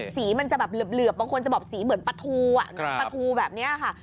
สีมันจะแบบเหลือบมันควรจะบอกสีเหมือนปทูแบบนี้ค่ะ